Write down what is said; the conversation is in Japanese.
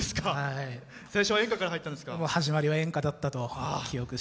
最初は演歌からだったんですか？